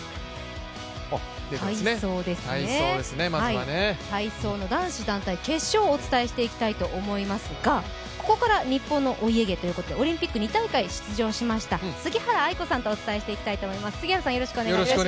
体操ですね、体操の男子団体決勝をお伝えしていきたいと思いますがここから日本のお家芸ということで、オリンピック２大会出場しました杉原愛子さんとお伝えしていきたいと思います。